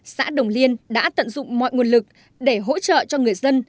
xã đồng liên đã tận dụng mọi nguồn lực để hỗ trợ cho người dân